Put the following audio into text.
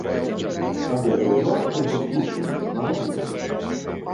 А гэтыя два, што яго скручваюць, маладыя.